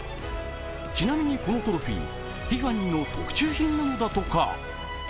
ちなみにこのトロフィー、ティファニーの特注品なのだとか。